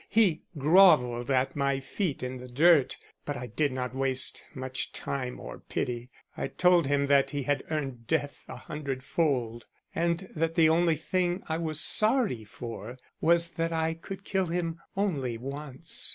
He grovelled at my feet in the dirt. But I didn't waste much time or pity. I told him that he had earned death a hundredfold, and that the only thing I was sorry for was that I could kill him only once.